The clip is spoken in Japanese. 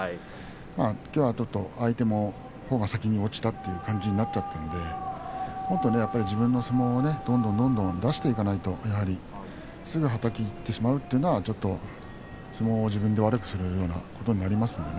きょうは、ちょっと相手のほうが先に落ちたという感じだったのでもっと自分の相撲をどんどんどんどん出していかないとすぐはたきにいってしまうというのは相撲を自分で悪くするようなことになりますので。